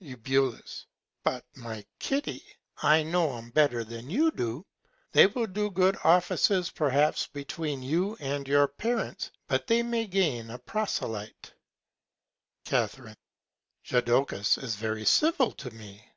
Eu. But, my Kitty, I know 'em better than you do. They will do good Offices perhaps between you and your Parents, that they may gain a Proselyte. Ca. Jodocus is very civil to me.